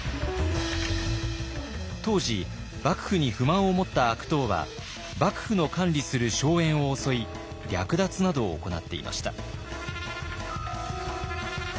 当時幕府に不満を持った悪党は幕府の管理する荘園を襲い略奪などを行っていました。